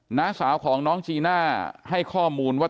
หน้าสาวของน้องจีน่าให้ข้อมูลว่า